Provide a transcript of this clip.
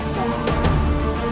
pada saat ini